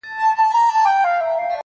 کندهار کي خو هوا نن د پکتيا ده